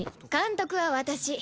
監督は私。